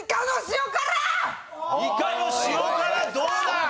イカの塩辛どうだ？